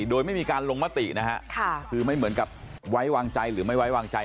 โดยไม่มีการลงมตินะฮะคือไม่เหมือนกับไว้วางใจหรือไม่ไว้วางใจ